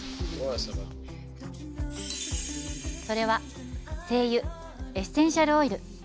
それは精油エッセンシャルオイル。